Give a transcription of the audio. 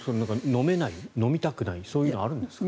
飲めない、飲みたくないそういうことがあるんですか？